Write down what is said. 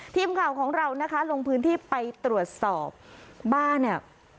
ทีมข่าวของเรานะคะลงพื้นที่ไปตรวจสอบบ้านเนี่ย